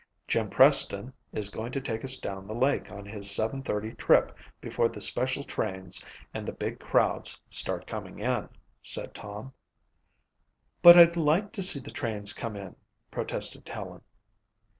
"Jim Preston is going to take us down the lake on his seven thirty trip before the special trains and the big crowds start coming in," said Tom. "But I'd like to see the trains come in," protested Helen.